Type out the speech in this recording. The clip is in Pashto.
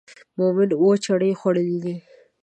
مومن اووه چړې خوړلې دي.